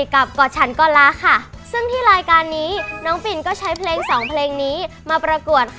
ก่อนเคยบอกรัก